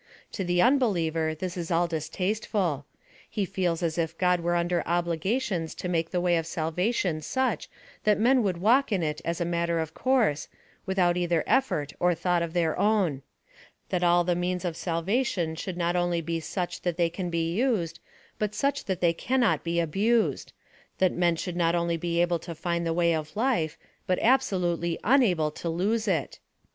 To the un believer, this is all distasteful. He feels as if God were ander obligations to make the way of salvation such that men would walk in it as a matter of course, without either effort or thought of their own ; that ah he means of salvation should not only be such that they can be used, but such that they cannot be abused ; that men should not only be able to find the way of life, but abso lutely unable to lose it.